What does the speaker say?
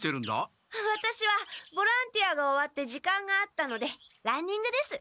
ワタシはボランティアが終わって時間があったのでランニングです。